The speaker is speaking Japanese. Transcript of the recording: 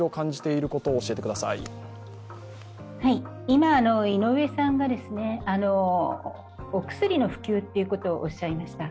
今、井上さんがお薬の普及ということをおっしゃいました。